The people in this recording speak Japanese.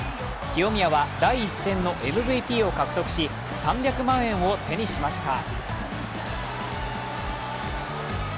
清宮は第１戦のＭＶＰを獲得し３００万円を手にしました。